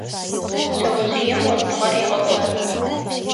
Шъэожъыем остыгъэр егъэкӏуасэ.